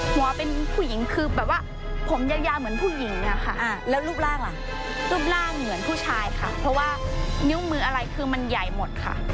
หัวเป็นผู้หญิงคือแบบว่าผมยาวเหมือนผู้หญิงอะค่ะแล้วรูปร่างล่ะรูปร่างเหมือนผู้ชายค่ะเพราะว่านิ้วมืออะไรคือมันใหญ่หมดค่ะ